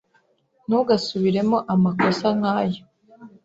Ntugasubiremo amakosa nkaya.